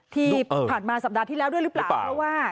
ที่ผ่านมาสัปดาห์ที่แล้วด้วยหรือเปล่า